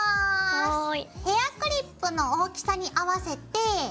はい。